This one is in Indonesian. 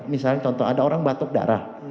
misalnya contoh ada orang batuk darah